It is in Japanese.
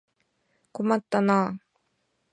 困ったなあ。